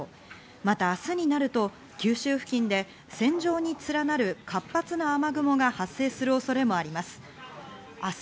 また明日になると九州付近で、線状に連なる活発な雨雲が発生する恐れもあります。